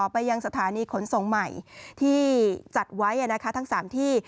ไปยังสถานีขนส่งใหม่ที่จัดไว้ทั้ง๓ที่